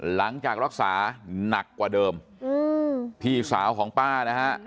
หลังจากรักษาหนักกว่าเดิมพี่สาวของป้านะฮะ